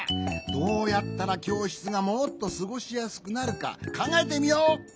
どうやったらきょうしつがもっとすごしやすくなるかかんがえてみよう！